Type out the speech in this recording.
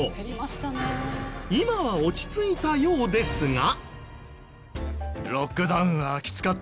今は落ち着いたようですが。